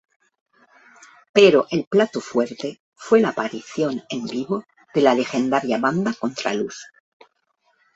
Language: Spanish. Pero el plato fuerte fue la aparición en vivo de la legendaria banda Contraluz.